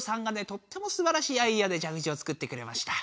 とってもすばらしいアイデアで蛇口を作ってくれました。